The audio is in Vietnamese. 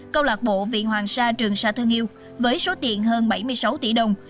câu lạc bộ vị hoàng sa trường sa thân yêu với số tiền hơn bảy mươi sáu tỷ đồng